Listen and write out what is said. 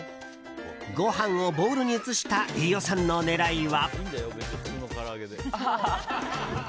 ご飯をボウルに移した飯尾さんの狙いは。